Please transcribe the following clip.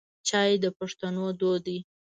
چای د پښتنو دود دی.